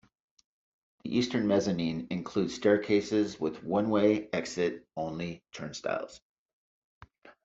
The eastern mezzanine includes staircases with one-way exit-only turnstiles.